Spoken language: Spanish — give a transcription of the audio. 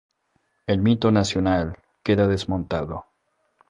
El mito nacional queda desmontado.